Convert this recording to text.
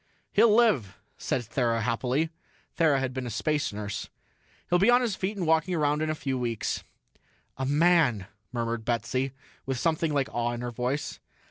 "He'll live," said Thera happily. Thera had been a space nurse. "He'll be on his feet and walking around in a few weeks." "A man!" murmured Betsy, with something like awe in her voice.